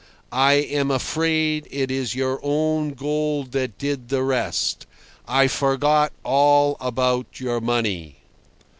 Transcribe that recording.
I am afraid it is your own gold that did the rest. I forgot all about your money."